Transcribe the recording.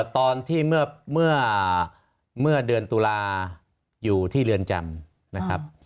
ตอนที่เมื่อเดือนตุลาอยู่ที่เรือนจำนะครับ